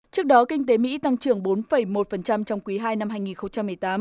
trước đó kinh tế mỹ tăng trưởng bốn một trong quý ii năm hai nghìn một mươi tám